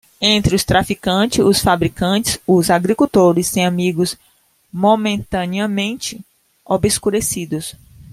Entre os traficantes, os fabricantes, os agricultores, têm amigos momentaneamente obscurecidos.